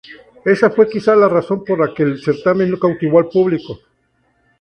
Esa fue quizás la razón por la que el certamen no cautivó al público.